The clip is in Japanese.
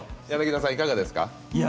柳田さん、いかがですか？